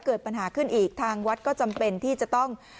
เกิดปัญหาขึ้นอีกทางวัดก็จำเป็นที่จะต้อง